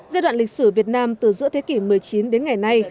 giai đoạn lịch sử việt nam từ giữa thế kỷ một mươi chín đến ngày nay